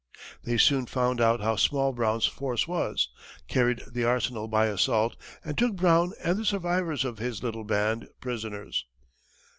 They soon found out how small Brown's force was, carried the arsenal by assault, and took Brown and the survivors of his little band prisoners.